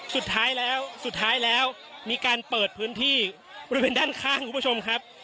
สุดท้ายแล้วสุดท้ายแล้วมีการเปิดพื้นที่บริเวณด้านข้างคุณผู้ชมครับ